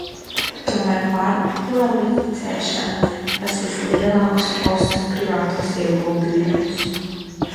Tomēr pārkvalificēšana prasīs lielākus valsts un privātos ieguldījumus.